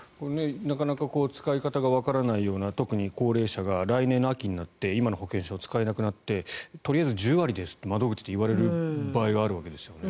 なかなか使い方がわからないような特に高齢者が来年の秋になって今の保険証、使えなくなってとりあえず１０割ですって窓口で言われる場合があるわけですよね。